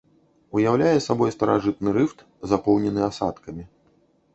Уяўляе сабой старажытны рыфт, запоўнены асадкамі.